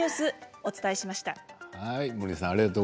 お伝えしました。